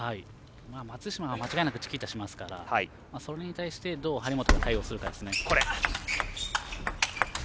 松島は間違いなくチキータしますからそれに対してどう張本が対応するかですね。